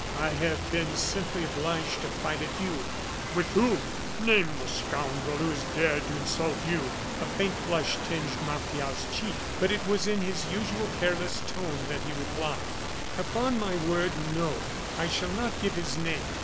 I have been simply obliged to fight a duel." "With whom? Name the scoundrel who has dared to insult you!" A faint flush tinged Martial's cheek; but it was in his usual careless tone that he replied: "Upon my word, no; I shall not give his name.